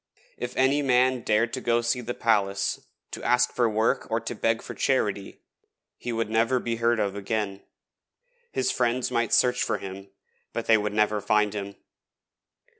If any man dared to go to see the palace, to ask for work or to beg for charity, he would never be heard of again. His friends might search for him, but they would never find him.